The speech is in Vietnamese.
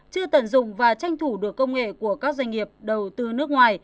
chưa tận dụng và tranh thủ được công nghệ của các doanh nghiệp đầu tư nước ngoài